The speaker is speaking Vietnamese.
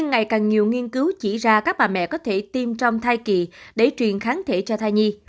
ngày càng nhiều nghiên cứu chỉ ra các bà mẹ có thể tiêm trong thai kỳ để truyền kháng thể cho thai nhi